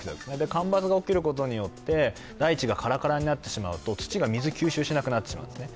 干ばつが起きることによって大地がカラカラになってしまうと土が水を吸収しなくなってしまうんですね。